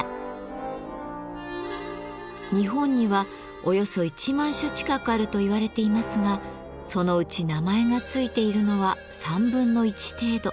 日本にはおよそ１万種近くあると言われていますがそのうち名前が付いているのは1/3程度。